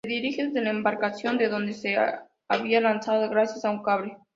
Se dirigía desde la embarcación de donde se había lanzado gracias a un cable.